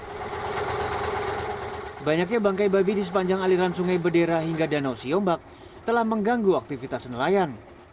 banyaknya bangkai babi di sepanjang aliran sungai bedera hingga danau siombak telah mengganggu aktivitas nelayan